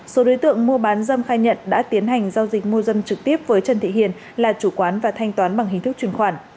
số đối tượng mua bán dâm khai nhận đã tiến hành giao dịch mua dâm trực tiếp với trần thị hiền là chủ quán và thanh toán bằng hình thức chuyển khoản